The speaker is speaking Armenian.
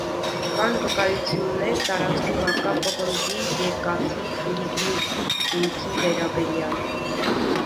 Կան վկայություններ տարածքում առկա պղնձի, երկաթի, լիգնիտի հումքի վերաբերյալ։